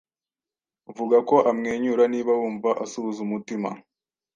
Vuga ko amwenyura niba wumva asuhuza umutima.